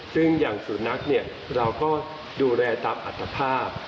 ซึ่งอย่างสุนัขเนี่ยเราก็ดูแลตามอัตภาพ